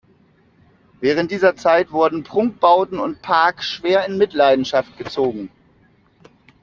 Während dieser Zeit wurden Prunkbauten und Park schwer in Mitleidenschaft gezogen.